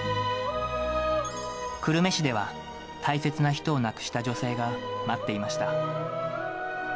久留米市では、大切な人を亡くした女性が待っていました。